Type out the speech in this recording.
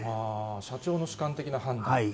社長の主観的な判断。